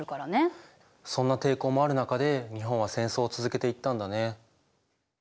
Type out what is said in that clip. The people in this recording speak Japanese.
そんな抵抗もある中で日本は戦争を続けていったんだね。